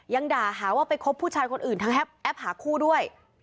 ยังด่าหาว่าไปคบผู้ชายคนอื่นทั้งแอปหาคู่ด้วย